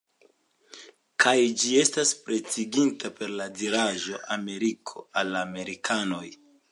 Kaj ĝi estas pretigita per la diraĵo: ""Ameriko al la amerikanoj""